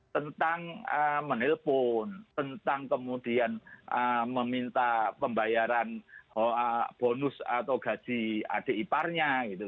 tentang menelpon tentang kemudian meminta pembayaran bonus atau gaji adik iparnya gitu